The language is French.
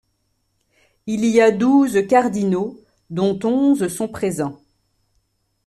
Il y a douze cardinaux, dont onze sont présents.